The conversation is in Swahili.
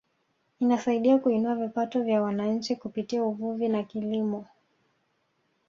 Inasaidia kuinua vipato vya wananchi kupitia uvuvi na kilimo